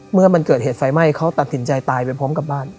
เมื่อมันเกิดเหตุไฟไหม้เขาตัดสินใจตายไปพร้อมกับบ้าน